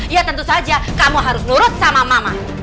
ya tentu saja kamu harus nurut sama mama